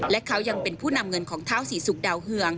และเขายังเป็นผู้นำเงินของเท้าศรีศุกร์ดาวเฮือง